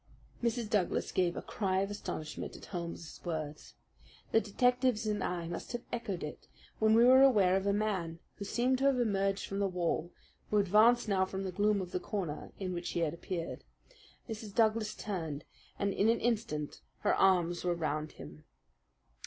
Mrs. Douglas gave a cry of astonishment at Holmes's words. The detectives and I must have echoed it, when we were aware of a man who seemed to have emerged from the wall, who advanced now from the gloom of the corner in which he had appeared. Mrs. Douglas turned, and in an instant her arms were round him.